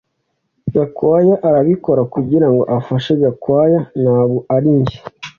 Gakwaya arabikora kugirango afashe Gakwaya ntabwo ari njye